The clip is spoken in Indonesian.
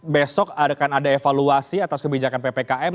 besok akan ada evaluasi atas kebijakan ppkm